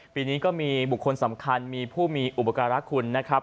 ปีนี้ก็มีบุคคลสำคัญมีผู้มีอุปการะคุณนะครับ